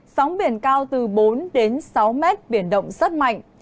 sóng biển cao từ bốn đến sáu mét biển động rất mạnh